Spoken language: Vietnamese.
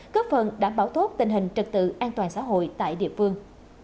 cấp phần đảm bảo thốt tình hình trật tự an toàn xã hội tại địa phương